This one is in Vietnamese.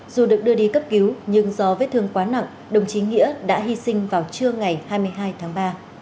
dù được đưa đi cấp cứu nhưng do vết thương quá nặng đồng chí nghĩa đã hy sinh vào trưa ngày hai mươi hai tháng ba